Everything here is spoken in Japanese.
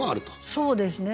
そうですね。